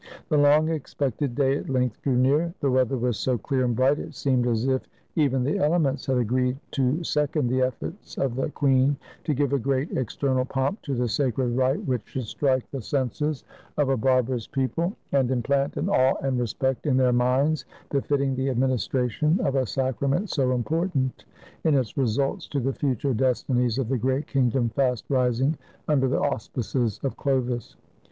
The long expected day at length drew near. The weather was so clear and bright it seemed as if even the elements had agreed to second the efforts of the queen to give a great external pomp to the sacred rite which should strike the senses of a barbarous people, and ISO THE CHRISTMAS OF 496 implant an awe and respect in their minds befitting the administration of a sacrament so important in its results to the future destinies of the great kingdom fast rising under the auspices of Chlovis.